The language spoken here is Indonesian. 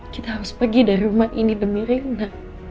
kita harus pergi dari rumah ini demi rina